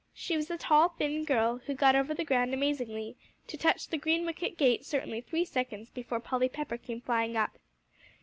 She was a tall, thin girl, who got over the ground amazingly, to touch the green wicket gate certainly three seconds before Polly Pepper came flying up.